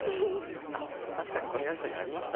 あっ確かにこのやり取りありましたね。